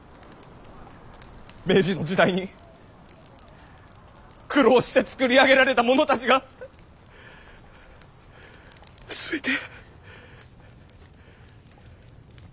明治の時代に苦労して作り上げられたものたちが全て。